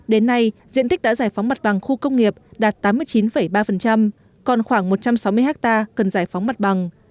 đến nay diện tích đã giải phóng mặt bằng khu công nghiệp đạt tám mươi chín ba còn khoảng một trăm sáu mươi ha cần giải phóng mặt bằng